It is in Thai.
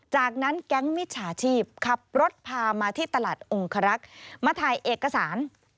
จากนั้นแก๊งมิจฉาชีพขับรถพามาที่ตลาดองครักษ์มาถ่ายเอกสาร